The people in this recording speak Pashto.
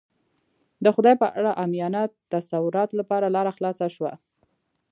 د خدای په اړه عامیانه تصوراتو لپاره لاره خلاصه شوه.